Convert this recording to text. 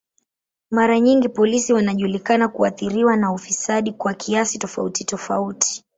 Mara nyingi polisi wanajulikana kuathiriwa na ufisadi kwa kiasi tofauti tofauti.